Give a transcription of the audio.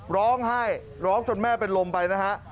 ร้องไห้ร้องจนแม่เป็นลมไปนะฮะ